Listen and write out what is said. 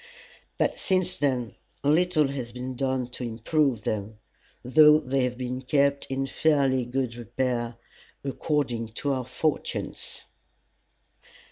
but since then little has been done to improve them, though they have been kept in fairly good repair, according to our fortunes.